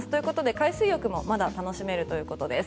海水浴もまだ楽しめるということです。